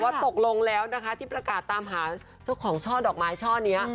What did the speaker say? ตกลงแล้วนะคะที่ประกาศตามหาเจ้าของช่อดอกไม้ช่อนี้